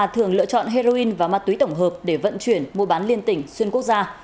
thường lựa chọn heroin và ma túy tổng hợp để vận chuyển mua bán liên tỉnh xuyên quốc gia